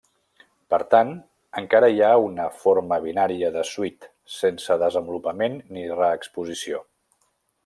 Per tant, encara hi ha una forma binària de suite, sense desenvolupament ni reexposició.